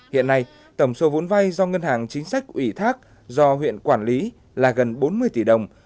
hiện nay tổng số vốn vay do ngân hàng chính sách ủy thác do huyện quản lý là gần bốn mươi tỷ đồng